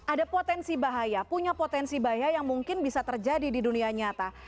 ada potensi bahaya punya potensi bahaya yang mungkin bisa terjadi di dunia nyata